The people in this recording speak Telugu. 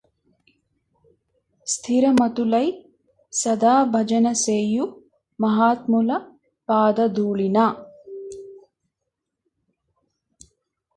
స్ధిరమతులై సదాభజన సేయు మహాత్ముల పాదధూళి నా